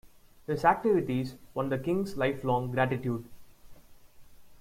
His activities won the king's lifelong gratitude.